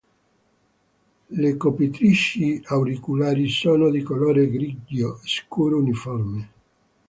Le copritrici auricolari sono di colore grigio scuro uniforme.